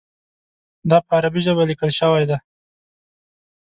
دا په عربي ژبه لیکل شوی دی.